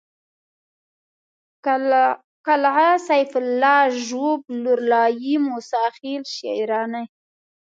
قلعه سيف الله ژوب لورلايي موسی خېل شېراني